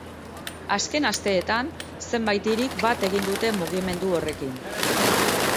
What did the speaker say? Azken asteetan, zenbait hirik bat egin dute mugimendu horrekin.